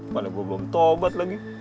padahal gua belum tobat lagi